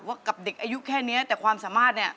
กับเด็กอายุแค่นี้แต่ความสามารถเนี่ย